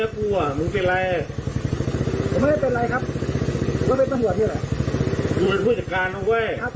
กูเมาวันรับ